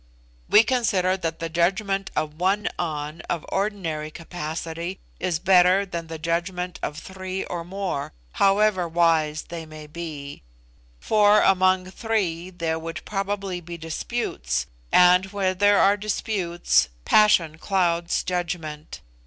We consider that the judgment of one An of ordinary capacity is better than the judgment of three or more, however wise they may be; for among three there would probably be disputes, and where there are disputes, passion clouds judgment.